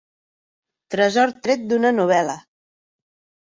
Tresor tret d'una novel·la.